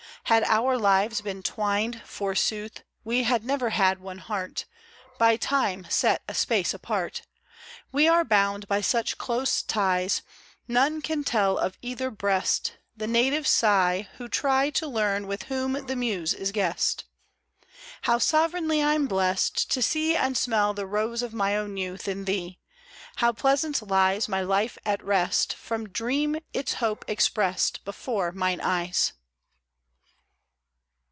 Had our lives been twined, forsooth, We had never had one heart : By Time set a space apart, We are bound by such close ties None can tell of either breast The native sigh Who try To learn with whom the Muse is guest. How sovereignly I*m blest To see and smell the rose of my own youth In thee : how pleasant lies My life, at rest From dream, its hope expressed Before mine eyes.